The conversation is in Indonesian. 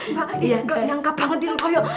mbak gak nyangka banget di lo ya